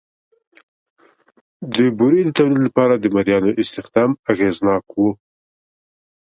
د بورې د تولید لپاره د مریانو استخدام اغېزناک نه و